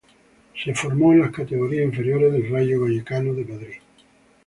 Se formó en las categorías inferiores del Rayo Vallecano de Madrid.